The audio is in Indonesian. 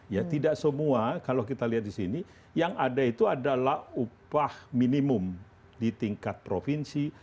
ya tidak semua kalau kita lihat di sini yang ada itu adalah upah minimum di tingkat provinsi